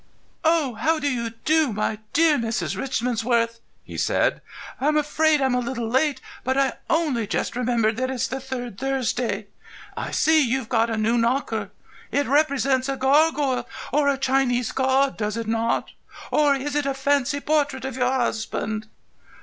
"Oh, how do you do, my dear Mrs. Richmansworth?" he said. "I'm afraid I'm a little late, but I only just remembered that it's the third Thursday. I see you've got a new knocker. It represents a gargoyle, or a Chinese god, does it not? Or is it a fancy portrait of your husband?